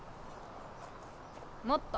もっと。